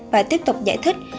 và tiếp tục giải thích